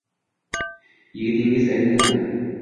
-Yigitingiz aynidimi?